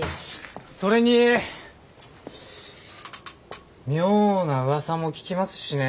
それに妙なうわさも聞きますしね。